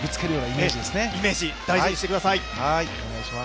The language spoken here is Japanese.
イメージ、大事にしてください。